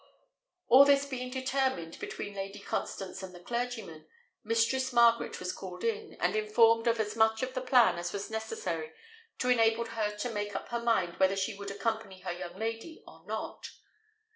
All this being determined between Lady Constance and the clergyman, Mistress Margaret was called in, and informed of as much of the plan as was necessary to enable her to make up her mind whether she would accompany her young lady or not.